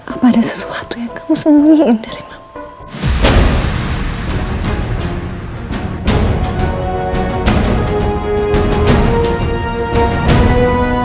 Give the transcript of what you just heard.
apa ada sesuatu yang kamu sembunyiin dari mamamu